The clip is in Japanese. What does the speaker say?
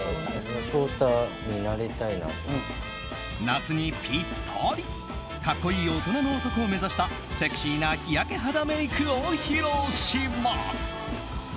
夏にぴったり格好いい大人の男を目指したセクシーな日焼け肌メイクを披露します。